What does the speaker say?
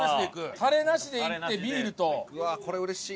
タレなしでいってビールと。